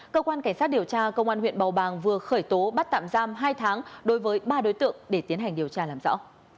cơ quan cảnh sát điều tra công an huyện bầu bàng vừa khởi tố bắt tạm giam hai tháng đối với ba đối tượng để tiến hành điều tra làm rõ